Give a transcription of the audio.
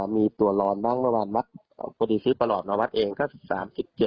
มีตัวร้อนบ้างระหว่างวัดปฏิเสธประหลาบนวัดเองก็๓๗๕